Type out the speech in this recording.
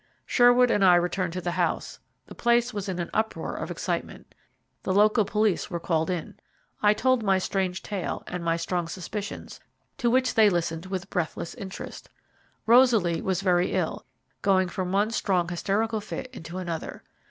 Sherwood and I returned to the house the place was in an uproar of excitement. The local police were called in. I told my strange tale, and my strong suspicions, to which they listened with breathless interest. Rosaly was very ill, going from one strong hysterical fit into another.